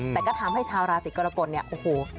แต่ก็ทำให้ชาวราศีกรกฎเนี่ยโอ้โห